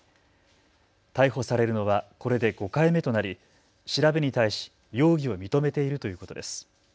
逮捕されるのはこれで５回目となり、調べに対し容疑を認めているということです。